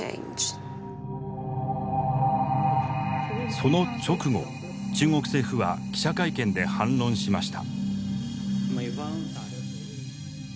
その直後中国政府は記者会見で反論しました。